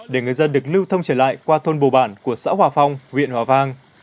để người dân được lưu thông trở lại qua thôn bồ bản của xã hòa phong huyện hòa vang